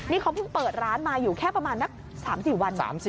นี่เขาเพิ่งเปิดร้านมาอยู่แค่ประมาณนัก๓๔วัน